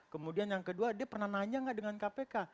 kemudian yang kedua dia pernah nanya nggak dengan kpk